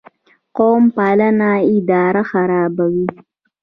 قوم پالنه اداره خرابوي